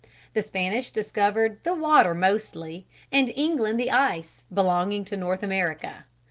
The Spanish discovered the water mostly, and England the ice belonging to North America.